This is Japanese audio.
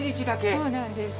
そうなんです。